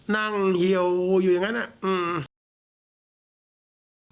นั่งเหียวอยู่อย่างงั้น